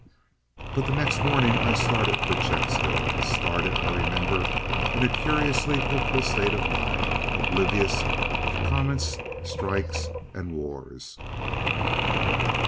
But the next morning I started for Checkshill, started, I remember, in a curiously hopeful state of mind, oblivious of comets, strikes, and wars.